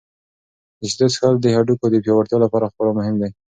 د شیدو څښل د هډوکو د پیاوړتیا لپاره خورا مهم دي.